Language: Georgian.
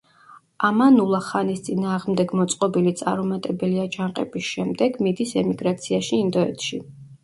ამანულა ხანის წინააღმდეგ მოწყობილი წარუმატებელი აჯანყების შემდეგ მიდის ემიგრაციაში ინდოეთში.